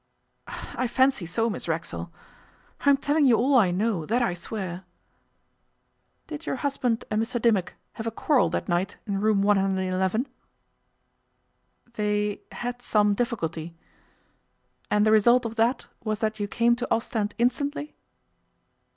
'I fancy so, Miss Racksole. I'm telling you all I know, that I swear.' 'Did your husband and Mr Dimmock have a quarrel that night in Room 111?' 'They had some difficulty.' 'And the result of that was that you came to Ostend instantly?